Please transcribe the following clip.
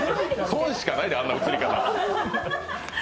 損しかないで、あんな映り方。